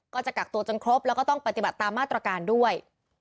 ก็จะกักตัวจนครบแล้วก็ต้องปฏิบัติตามมาตรการด้วย